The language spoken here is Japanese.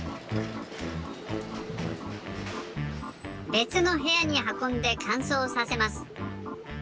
べつのへやにはこんでかんそうさせます。